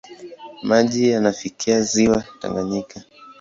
Maji yanafikia ziwa Tanganyika.